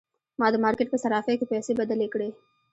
ما د مارکیټ په صرافۍ کې پیسې بدلې کړې.